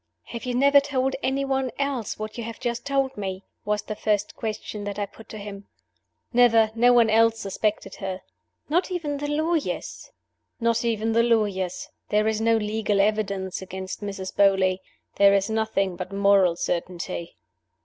"Have you never told any one else what you have just told me?" was the first question that I put to him. "Never. No one else suspected her." "Not even the lawyers?" "Not even the lawyers. There is no legal evidence against Mrs. Beauly. There is nothing but moral certainty."